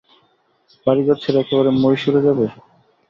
বাড়িঘর ছেড়ে একেবারে মৈশুরে যাবে?